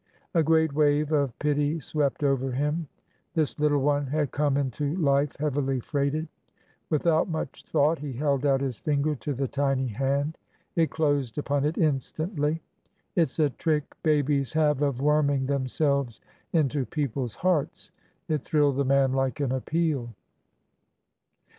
A great wave of pity swept over him. This little one had come into life heavily freighted. Without much thought, he held out his finger to the tiny hand. It closed upon it instantly. It is a trick babies have of worming themselves into peo ple's hearts. It thrilled the man like an appeal.